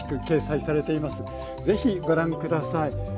ぜひご覧下さい。